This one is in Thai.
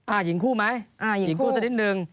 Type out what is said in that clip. อ่าหญิงคู่ไหมหญิงคู่สักนิดหนึ่ง